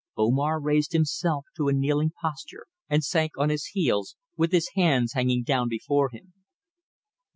Omar raised himself to a kneeling posture and sank on his heels, with his hands hanging down before him.